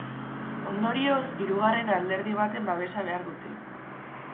Ondorioz, hirugarren alderdi baten babesa behar dute.